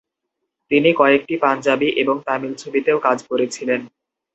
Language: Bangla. তিনি কয়েকটি পাঞ্জাবি এবং তামিল ছবিতেও কাজ করেছিলেন।